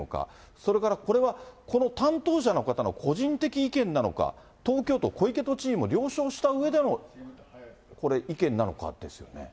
それからこれは、この担当者の方の個人的な意見なのか、東京都、小池都知事も了承したうえでの、これ意見なのかですよね。